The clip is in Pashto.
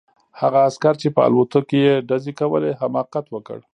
هغه عسکر چې په الوتکو یې ډزې کولې حماقت وکړ